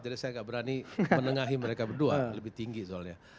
jadi saya tidak berani menengahi mereka berdua lebih tinggi soalnya